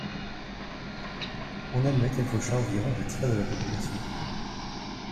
On admet qu’elle faucha environ le tiers de la population.